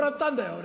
俺。